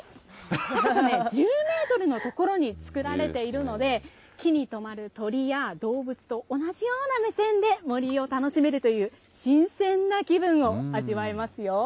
高さ１０メートルのところに作られているので木に止まる鳥や動物と同じような目線で森を楽しめるという新鮮な気分を味わえますよ。